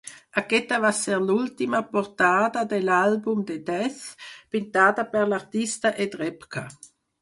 Aquesta va ser l'última portada de l'àlbum de Death pintada per l'artista Ed Repka.